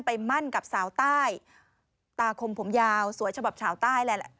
มั่นกับสาวใต้ตาคมผมยาวสวยฉบับชาวใต้แหละ